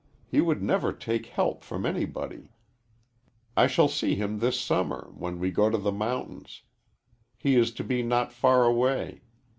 He would never take help from anybody. I shall see him this summer, when we go to the mountains. He is to be not far away.